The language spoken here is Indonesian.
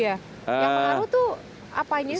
yang pengaruh tuh apanya sih